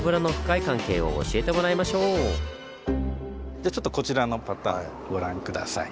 じゃあちょっとこちらのパターンご覧下さい。